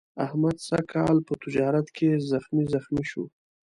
احمد سږ کال په تجارت کې زخمي زخمي شو.